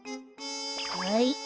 はい。